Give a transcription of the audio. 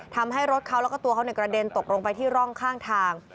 ทำให้รถเขาแล้วก็ตัวเขากระเด็นตกลงไปที่ร่องข้างทาง